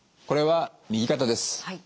これは右肩です。